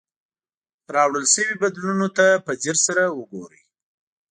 راوړل شوي بدلونونو ته په ځیر سره وګورئ.